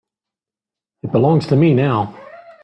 It belongs to me now.